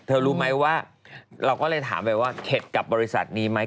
รู้ไหมว่าเราก็เลยถามไปว่าเข็ดกับบริษัทนี้ไหม